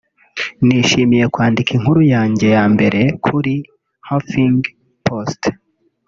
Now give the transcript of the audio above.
“Nishimiye kwandika inkuru yanjye ya mbere kuri Huffingpost